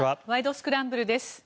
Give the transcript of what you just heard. スクランブル」です。